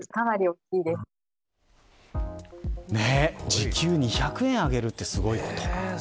時給２００円上げるってすごいこと。